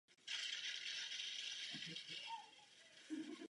To je důležitý detail.